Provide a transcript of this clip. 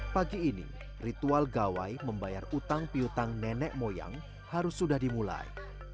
pagi ini ritual gawai membayar utang piutang nenek moyang harus sudah dimulai